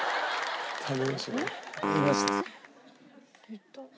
言った。